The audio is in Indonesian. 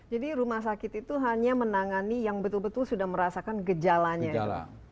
jadi rumah sakit itu hanya menangani yang betul betul sudah merasakan gejalanya